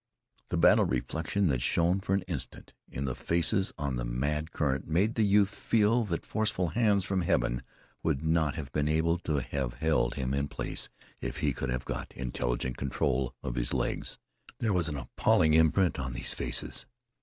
The battle reflection that shone for an instant in the faces on the mad current made the youth feel that forceful hands from heaven would not have been able to have held him in place if he could have got intelligent control of his legs. There was an appalling imprint upon these faces.